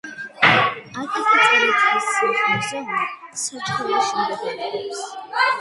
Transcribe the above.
აკაკი წერეთლის სახლ-მუზეუმი საჩხერეში მდებარეობს.